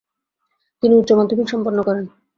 তিনি উচ্চ মাধ্যমিক সম্পন্ন করেন।